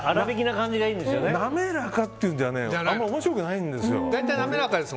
なめらかっていうんじゃあまり面白くないんですよ。